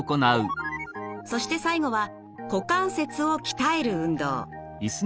そして最後は股関節を鍛える運動。